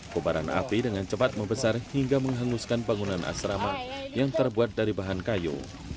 kobaran api dengan cepat membesar hingga menghanguskan bangunan asrama yang terbuat dari bahan kayu